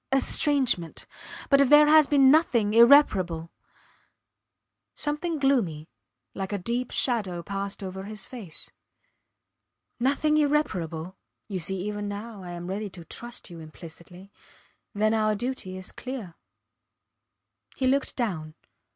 estrangement; but if there has been nothing irreparable. ... Something gloomy, like a deep shadow passed over his face. ... Nothing irreparable you see even now I am ready to trust you implicitly then our duty is clear. He looked down.